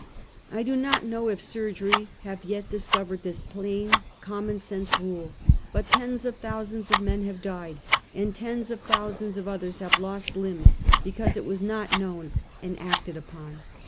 I do not know if surgery have yet discov ered this plain, common sense rule, but tens of thou sands of men have died, and tens of thousands of oth ers have lost limbs because it was not known and acted upon.